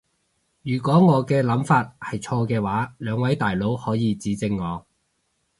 如果我嘅諗法係錯嘅話，兩位大佬可以指正我